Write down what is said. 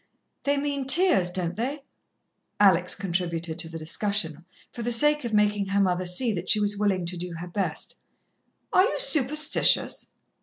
"They mean tears, don't they?" Alex contributed to the discussion, for the sake of making her mother see that she was willing to do her best. "Are you superstitious?"